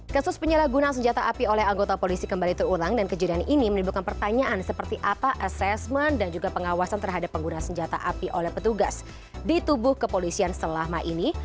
kasus penyalahgunaan senjata api oleh anggota polisi kembali terulang dan kejadian ini menimbulkan pertanyaan seperti apa assessment dan juga pengawasan terhadap pengguna senjata api oleh petugas di tubuh kepolisian selama ini